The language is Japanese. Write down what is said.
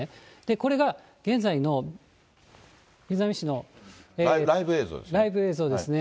これが現在の瑞浪市のライブ映像ですね。